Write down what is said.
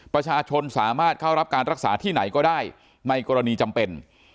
ประชาชนสามารถเข้ารับการรักษาที่ไหนก็ได้ในกรณีจำเป็น